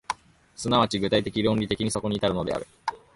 即ち具体的論理的にそこに至るのである。